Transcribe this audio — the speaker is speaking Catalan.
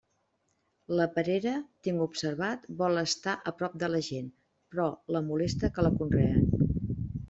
La perera, tinc observat, vol estar a prop de la gent, però la molesta que la conreen.